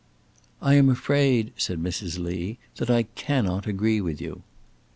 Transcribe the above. "I am afraid," said Mrs. Lee, "that I cannot agree with you."